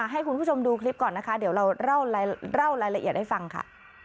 ให้คุณผู้ชมดูคลิปก่อนนะคะเดี๋ยวเราเล่ารายละเอียดให้ฟังค่ะ